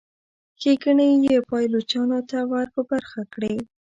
ښېګڼې یې پایلوچانو ته ور په برخه کړي.